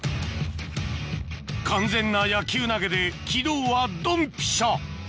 完全な野球投げで軌道はドンピシャ